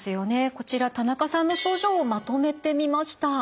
こちら田中さんの症状をまとめてみました。